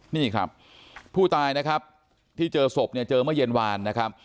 นี่ครับผู้ตายนะครับที่เจอศพเนี่ยเจอเมื่อเย็นวานนะครับ